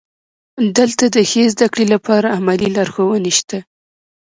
دلته د ښې زده کړې لپاره عملي لارښوونې شته.